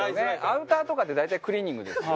アウターとかって大体クリーニングですよね。